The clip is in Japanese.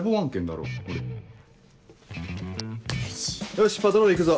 よしパトロール行くぞ。